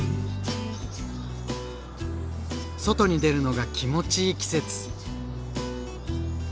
外に出るのが気持ちいい季節。